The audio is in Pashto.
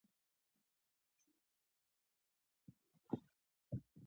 د ایران پښتو راډیو اوریدونکي لري.